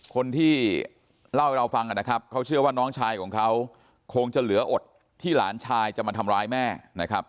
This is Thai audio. คนที่เล่าให้เราฟังนะครับเขาเชื่อว่าน้องชายของเขาคงจะเหลืออดที่หลานชายจะมาทำร้ายแม่นะครับ